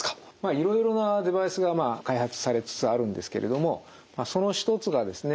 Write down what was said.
いろいろなデバイスが開発されつつあるんですけれどもその一つがですね